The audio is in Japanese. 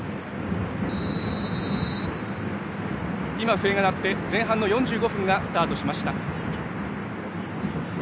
笛が鳴って前半の４５分がスタートしました。